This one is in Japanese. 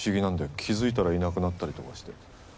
気づいたらいなくなったりとかして。